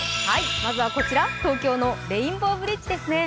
まずはこちら、東京のレインボーブリッジですね。